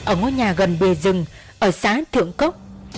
ở ngôi nhà gần bề rừng ở xã thượng cốc